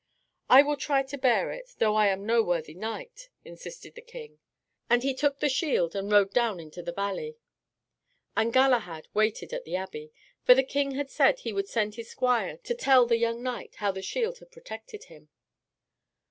"I will try to bear it, though I am no worthy knight," insisted the king; and he took the shield and rode down into the valley. And Galahad waited at the abbey, for the king had said he would send his squire to tell the young knight how the shield had protected him.